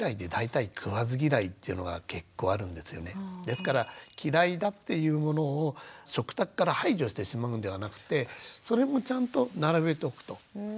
ですから嫌いだっていうものを食卓から排除してしまうのではなくてそれもちゃんと並べておくと。